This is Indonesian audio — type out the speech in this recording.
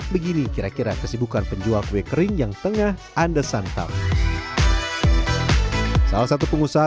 begini kira kira kesibukan penjual kue kering yang tengah anda santap salah satu pengusaha